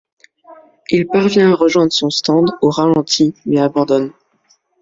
Il parvient à rejoindre son stand au ralenti mais abandonne.